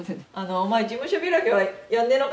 「お前事務所開きはやんねえのか？」って言われて。